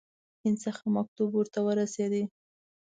هند څخه مکتوب ورته ورسېدی.